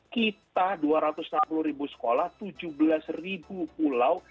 kita dua ratus enam puluh sekolah tujuh belas pulau